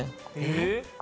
えっ？